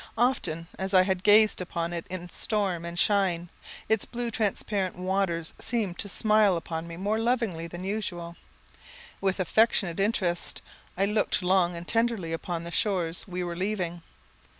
Often as I had gazed upon it in storm and shine, its blue transparent waters seemed to smile upon me more lovingly than usual. With affectionate interest I looked long and tenderly upon the shores we were leaving.